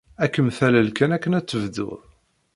Ad kem-talel kan akken ad tebdud.